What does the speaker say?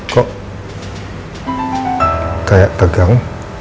kok kayak tegang